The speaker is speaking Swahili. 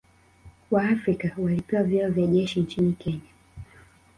waafrika walipewa vyeo vya jeshi nchini Kenya